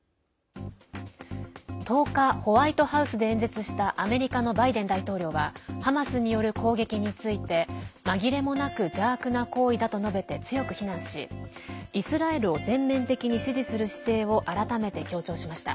１０日ホワイトハウスで演説したアメリカのバイデン大統領はハマスによる攻撃について紛れもなく邪悪な行為だと述べて強く非難しイスラエルを全面的に支持する姿勢を改めて強調しました。